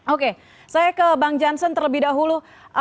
oke saya ke bang jansen terlebih dahulu